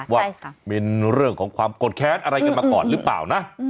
ว่าเป็นเรื่องของความโกรธแค้นอะไรกันมาก่อนหรือเปล่านะ